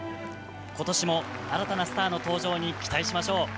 ことしも新たなスターの登場に期待しましょう。